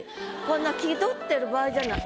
こんな気取ってる場合じゃない。